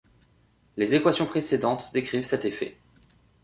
Les équations précédentes décrivent cet effet.